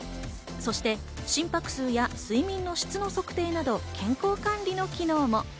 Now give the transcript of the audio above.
そして心拍数や睡眠の質の測定など健康管理の機能も。